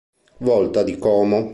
Volta di Como.